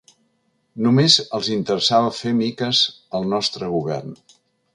Només els interessava fer miques el nostre govern.